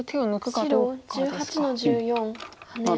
白１８の十四ハネ。